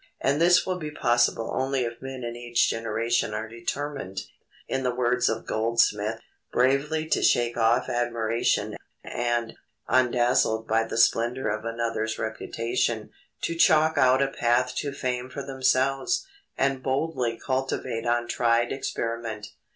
And this will be possible only if men in each generation are determined, in the words of Goldsmith, "bravely to shake off admiration, and, undazzled by the splendour of another's reputation, to chalk out a path to fame for themselves, and boldly cultivate untried experiment."